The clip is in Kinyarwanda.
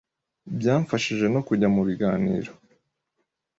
Byamfashije no kujya mu biganiro